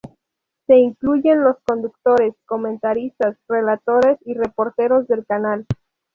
Se incluyen los conductores, comentaristas, relatores y reporteros del canal.